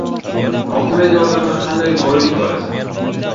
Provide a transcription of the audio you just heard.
Hokimiyat yordamida qanday boylik olasan?